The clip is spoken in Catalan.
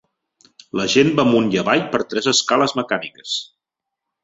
La gent va amunt i avall per tres escales mecàniques.